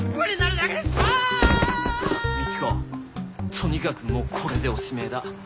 とにかくもうこれでおしめえだ。